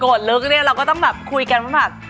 ลึกเนี่ยเราก็ต้องแบบคุยกันว่าแบบ